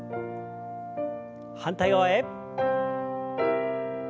反対側へ。